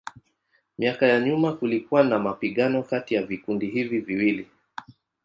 Miaka ya nyuma kulikuwa na mapigano kati ya vikundi hivi viwili.